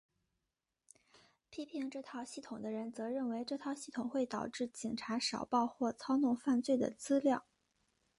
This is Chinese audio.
批评这套系统的人则认为这套系统会导致警察少报或操弄犯罪的资料。